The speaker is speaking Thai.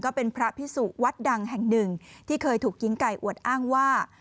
เป็นพระพิสุวัดดังแห่งหนึ่งที่เคยถูกหญิงไก่อวดอ้างว่า